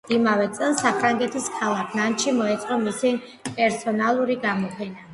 იმავე წელს საფრანგეთის ქალაქ ნანტში მოეწყო მისი პერსონალური გამოფენა.